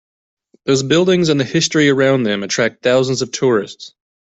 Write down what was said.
Those buildings and the history around them attract thousands of tourists.